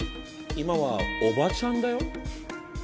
今はおばちゃんだよ？